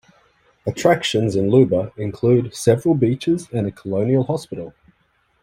Attractions in Luba include several beaches and a colonial hospital.